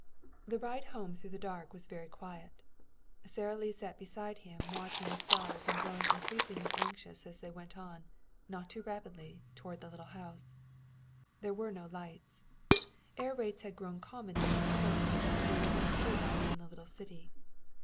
The ride home through the dark was very quiet. Sara Lee sat beside him watching the stars and growing increasingly anxious as they went, not too rapidly, toward the little house. There were no lights. Air raids had grown common in Dunkirk, and there were no street lights in the little city.